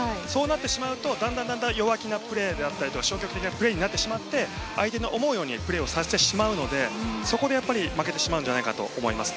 そうなってしまうと弱気なプレーになってしまって相手の思うようにプレーさせてしまうのでそこで負けてしまうんじゃないかと思います。